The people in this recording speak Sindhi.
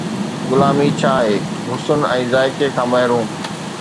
غلامي ڇا آهي؟ حسن ۽ ذائقي کان محروم